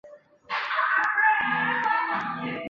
莫鲁阿古杜是巴西圣保罗州的一个市镇。